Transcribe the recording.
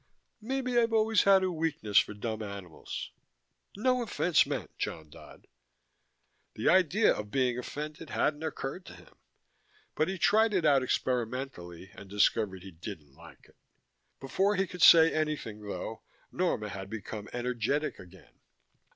Maybe I've always had a weakness for dumb animals: no offense meant, John Dodd." The idea of being offended hadn't occurred to him, but he tried it out experimentally and discovered he didn't like it. Before he could say anything, though, Norma had become energetic again.